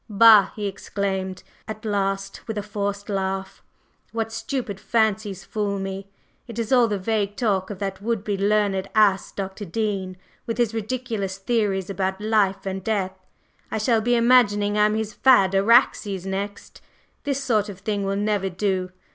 "Bah!" he exclaimed at last with a forced laugh, "What stupid fancies fool me! It is all the vague talk of that would be learned ass, Dr. Dean, with his ridiculous theories about life and death. I shall be imagining I am his fad, Araxes, next! This sort of thing will never do.